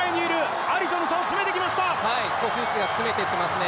少しずつ詰めていっていますね。